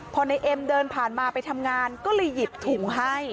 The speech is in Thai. พอในเอ็มเดินผ่านมาไปทำงานก็เลยหยิบถุงให้